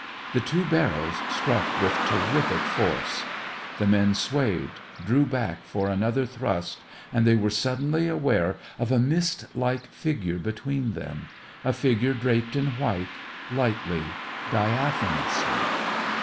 The two barrels struck with terrific force. The men swayed, drew back for another thrust, and they were suddenly aware of a mist like figure between them, a figure draped in white, lightly, diaphanously.